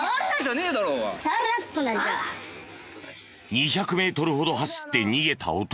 ２００メートルほど走って逃げた男。